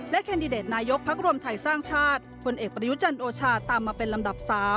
แคนดิเดตนายกพักรวมไทยสร้างชาติพลเอกประยุจันทร์โอชาตามมาเป็นลำดับ๓